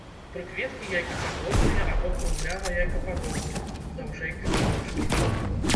Прыкветкі яйкападобныя або круглява-яйкападобныя, даўжэй кветаножкі.